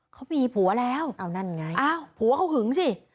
เขามีผัวแล้วผัวเขาหึงสิ